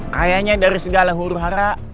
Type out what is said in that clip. kayaknya dari segala huru hara